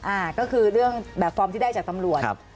อ่าก็คือเรื่องแบบฟอร์มที่ได้จากตำรวจครับ